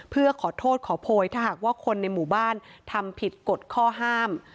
เพื่อขอโทษขอโพยถ้าหากว่าคนในหมู่บ้านทำผิดกฎข้อห้าม